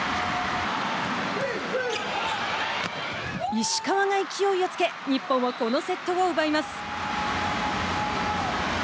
石川が勢いをつけ日本はこのセットを奪います。